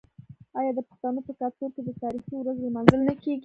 آیا د پښتنو په کلتور کې د تاریخي ورځو لمانځل نه کیږي؟